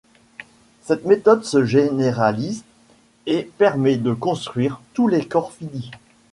Cette méthode se généralise et permet de construire tous les corps finis.